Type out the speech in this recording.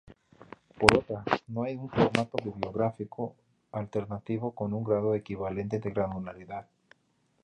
Por otra, no hay un formato bibliográfico alternativo con un grado equivalente de granularidad.